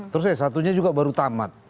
terus s satu nya juga baru tamat